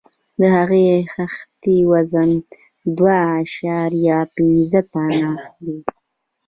د هرې خښتې وزن دوه اعشاریه پنځه ټنه دی.